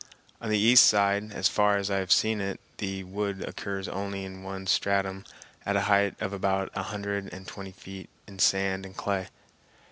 On the east side, as far as I have seen it, the wood occurs only in one stratum at a height of about a hundred and twenty feet in sand and clay.